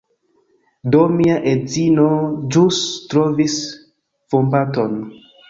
Do, mia edzino ĵus trovis vombaton.